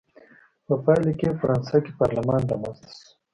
په پایله کې یې په فرانسه کې پارلمان رامنځته شو.